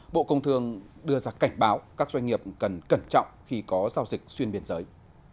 bộ công thương đưa ra cảnh báo các doanh nghiệp cần cẩn trọng khi có giao dịch xuyên biên giới